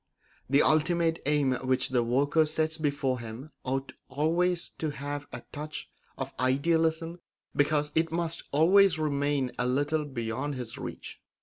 The ultimate aim which the worker sets before him ought always to have a touch of idealism because it must always remain a little beyond his reach.